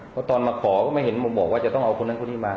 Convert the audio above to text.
เพราะตอนมาขอก็ไม่เห็นบอกว่าจะต้องเอาคนนั้นคนนี้มา